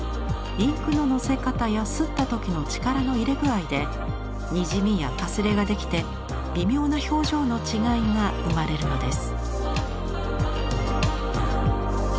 インクののせ方や刷った時の力の入れ具合で「にじみ」や「かすれ」ができて微妙な表情の違いが生まれるのです。